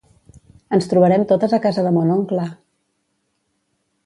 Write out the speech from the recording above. Ens trobarem totes a casa de mon oncle!